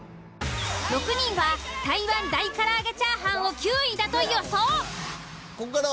６人は台湾大からあげチャーハンを９位だと予想。